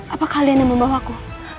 apakah kalian yang membawaku